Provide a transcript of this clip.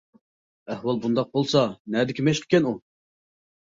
ئەھۋال بۇنداق بولسا نەدىكى مەشىق ئىكەن، ئۇ!